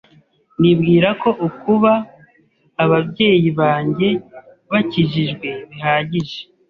nibwira ko ukuba ababyeyi banjye bakijijwe bihagije